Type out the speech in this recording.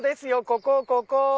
ここここ。